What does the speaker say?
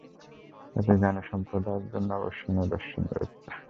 এতে জ্ঞানী সম্প্রদায়ের জন্যে অবশ্যই নিদর্শন রয়েছে।